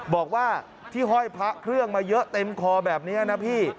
บอกว่าที่ห้อยพระเครื่องมาเยอะเต็มคอแบบนี้นะพี่